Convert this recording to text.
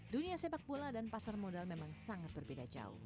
dunia sepak bola dan pasar modal memang sangat berbeda jauh